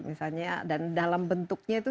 misalnya dan dalam bentuknya itu